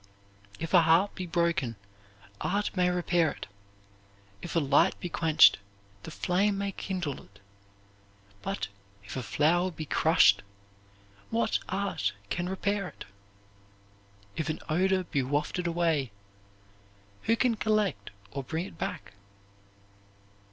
If a harp be broken, art may repair it; if a light be quenched, the flame may kindle it; but if a flower be crushed, what art can repair it? If an odor be wafted away, who can collect or bring it back?